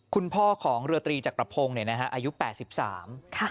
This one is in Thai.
คุณพ่อของเรือตรีจักรพงศ์เนี่ยนะฮะอายุแปดสิบสามค่ะ